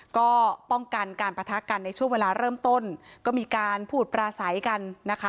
ก็ป้องกันการปะทะกันในช่วงเวลาเริ่มต้นก็มีการพูดปราศัยกันนะคะ